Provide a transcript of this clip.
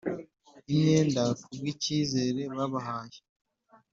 imyenda kubwikizere babahaye.